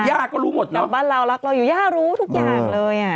ก็รู้หมดนะบ้านเรารักเราอยู่ย่ารู้ทุกอย่างเลยอ่ะ